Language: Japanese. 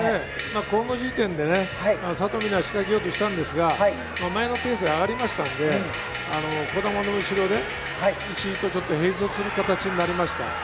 この時点で佐藤水菜、仕掛けようとしたんですが、周りのペースが上がりましたんで、児玉の後ろで石井と並走する形になりました。